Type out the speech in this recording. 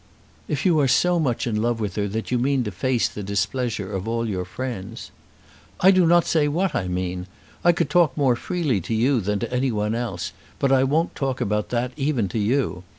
"If you are so much in love with her that you mean to face the displeasure of all your friends " "I do not say what I mean. I could talk more freely to you than to any one else, but I won't talk about that even to you.